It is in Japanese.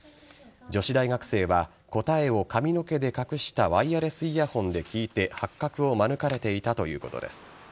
女子大学生は答えを髪の毛で隠したワイヤレスイヤホンで聞いて発覚を免れていたということです。